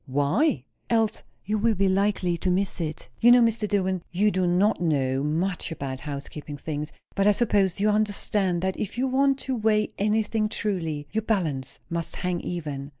"Why?" "Else you will be likely to miss it. You know, Mr. Dillwyn, you do not know much about housekeeping things, but I suppose you understand, that if you want to weigh anything truly, your balance must hang even."